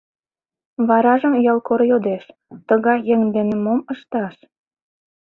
Варажым ялкор йодеш: «Тыгай еҥ дене мом ышташ?»